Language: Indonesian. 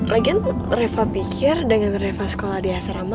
lagian reva pikir dengan reva sekolah di asrama